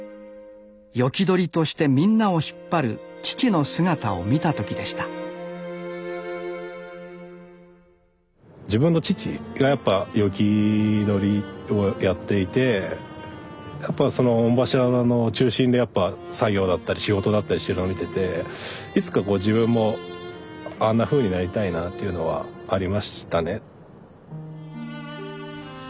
斧取りとしてみんなを引っ張る父の姿を見た時でした自分の父がやっぱ斧取りをやっていてやっぱその御柱の中心でやっぱ作業だったり仕事だったりしてるのを見てていつかこう自分もあんなふうになりたいなっていうのはありましたね。